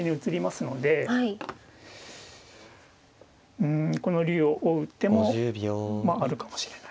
うんこの竜を追う手もあるかもしれない。